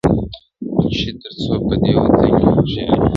چي تر څو په دې وطن کي هوښیاران وي -